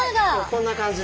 こんな感じで。